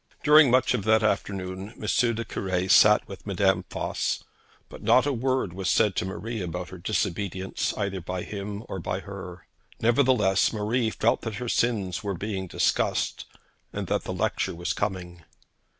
During much of that afternoon M. le Cure sat with Madame Voss, but not a word was said to Marie about her disobedience either by him or by her. Nevertheless, Marie felt that her sins were being discussed, and that the lecture was coming.